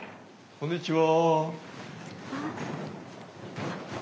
こんにちは。